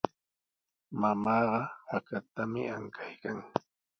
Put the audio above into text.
Mamaaqa hakatami ankaykan.